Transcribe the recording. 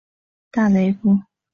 大雷夫。